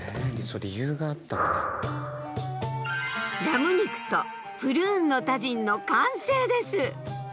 ラム肉とプルーンのタジンの完成です。